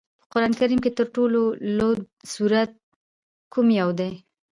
په قرآن کریم کې تر ټولو لوږد سورت کوم یو دی؟